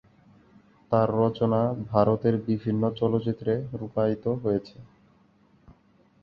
তার রচনা ভারতের বিভিন্ন চলচ্চিত্রে রূপায়িত হয়েছে।